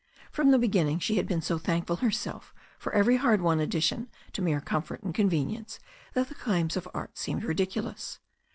From the beginning she had been so thankful herself for every hard won addition to mere comfort and convenience that the claims of art seemed ridiculous.